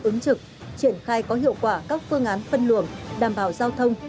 ứng trực triển khai có hiệu quả các phương án phân luồng đảm bảo giao thông